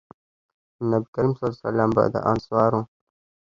نو نبي کريم صلی الله علیه وسلّم به د انصارو